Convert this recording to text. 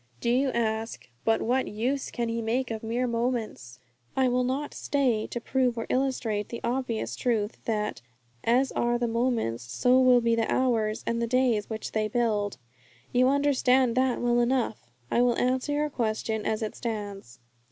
Do you ask, 'But what use can he make of mere moments?' I will not stay to prove or illustrate the obvious truth that, as are the moments so will be the hours and the days which they build. You understand that well enough. I will answer your question as it stands.